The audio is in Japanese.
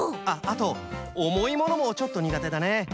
あとおもいものもちょっとにがてだね。